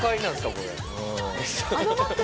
これ。